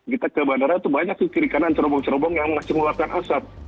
kita ke bandara tuh banyak sih kiri kanan cerombong cerombong yang mencemarkan asap